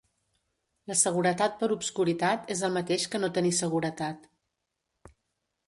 La seguretat per obscuritat és el mateix que no tenir seguretat.